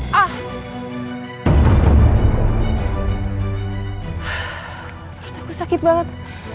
beritahu aku sakit banget